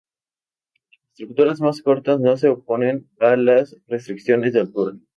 Las estructuras más cortas no se oponen a las restricciones de altura.